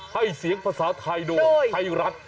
ให้เสียงภาษาไทยโดยไทยรัฐ